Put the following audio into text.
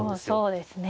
そうですね。